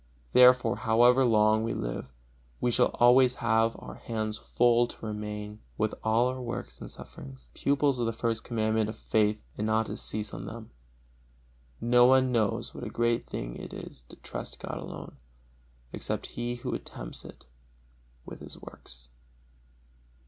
Therefore, however long we live, we shall always have our hands full to remain, with all our works and sufferings, pupils of the First Commandment and of faith, and not to cease to learn. No one knows what a great thing it is to trust God alone, except he who attempts it with his works.